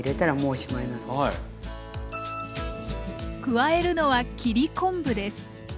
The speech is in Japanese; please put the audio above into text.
加えるのは切り昆布です。